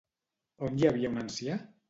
On hi havia un ancià?